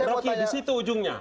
rocky di situ ujungnya